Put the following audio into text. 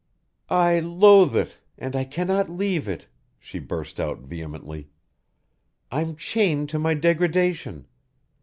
"I loathe it and I cannot leave it," she burst out vehemently. "I'm chained to my degradation.